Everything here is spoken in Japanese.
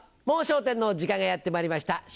『もう笑点』の時間がやってまいりました。